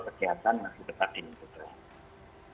protokol kegiatan masih tetap diperlukan